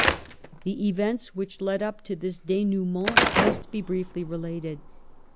The events which led up to this denouement must be briefly related.